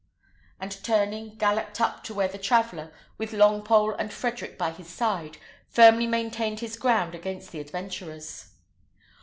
and turning, galloped up to where the traveller, with Longpole and Frederick by his side, firmly maintained his ground against the adventurers.